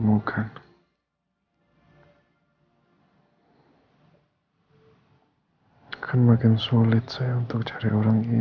gak akan aku lepasin aku